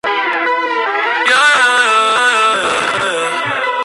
Esto, junto a los sentimientos que sentía hacia Futaba, forma un triángulo amoroso.